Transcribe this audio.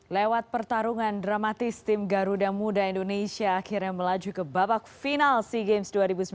lewat pertarungan dramatis tim garuda muda indonesia akhirnya melaju ke babak final sea games dua ribu sembilan belas